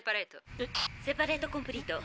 「セパレートコンプリート。